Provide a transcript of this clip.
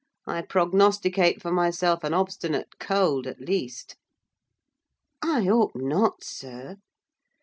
I prognosticate for myself an obstinate cold, at least." "I hope not, sir.